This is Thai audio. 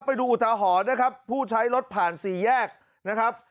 อุทาหรณ์นะครับผู้ใช้รถผ่านสี่แยกนะครับ